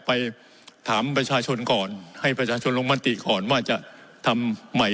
ไปถามประชาชนก่อนให้ประชาชนลงมติก่อนว่าจะทำใหม่